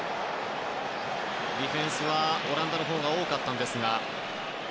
ディフェンスはオランダのほうが多かったんですが。